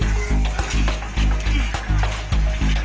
ดูแบบไหนล่ะแม่แก่ต้อง